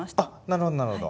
なるほどなるほど。